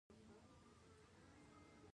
د ختمي ګل د څه لپاره وکاروم؟